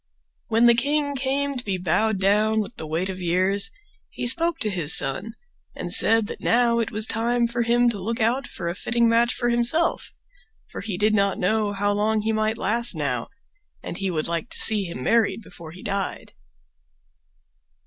When the king came to be bowed down with the weight of years he spoke to his son, and said that now it was time for him to look out for a fitting match for himself, for he did not know how long he might last now, and he would like to see him married before he died.